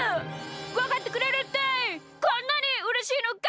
わかってくれるってこんなにうれしいのか！